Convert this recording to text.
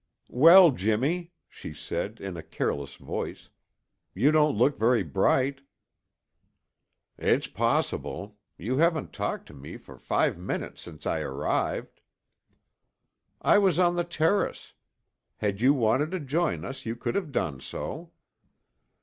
"Well, Jimmy," she said in a careless voice, "you don't look very bright." "It's possible. You haven't talked to me for five minutes since I arrived." "I was on the terrace. Had you wanted to join us, you could have done so."